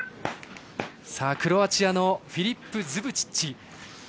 さあ、クロアチアのフィリップ・ズブチッチ。